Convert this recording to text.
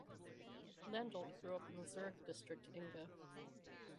Landolt grew up in the Zurich district Enge.